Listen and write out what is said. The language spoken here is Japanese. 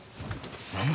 何だ？